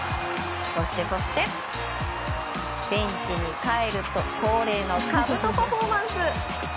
そして、ベンチに帰ると恒例のかぶとパフォーマンス。